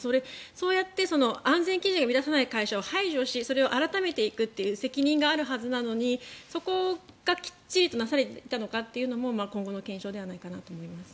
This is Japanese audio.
そうやって安全基準を満たさない会社を排除し、それを改めていくという責任があるはずなのにそこがきっちりとなされていたのかというところも今後の検証ではないかと思います。